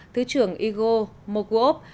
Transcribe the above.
thứ trưởng igor mogulov